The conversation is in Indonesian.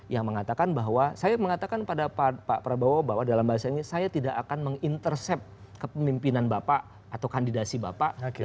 yang mengatakan bahwa saya mengatakan pada pak prabowo bahwa dalam bahasa ini saya tidak akan mengintercept kepemimpinan bapak atau kandidasi bapak